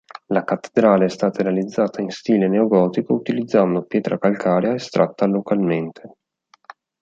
La cattedrale è stata realizzata in stile neogotico utilizzando pietra calcarea estratta localmente.